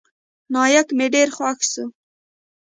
نايک مې ډېر خوښ سو.